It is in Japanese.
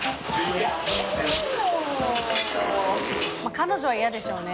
戞彼女は嫌でしょうね。